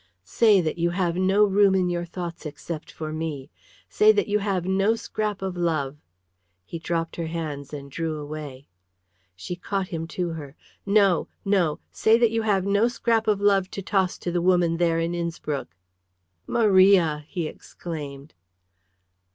"Say that you have no room in your thoughts except for me. Say that you have no scrap of love " He dropped her hands and drew away; she caught him to her. "No, no! Say that you have no scrap of love to toss to the woman there in Innspruck!" "Maria!" he exclaimed.